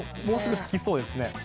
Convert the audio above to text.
もうすぐつきそうですね。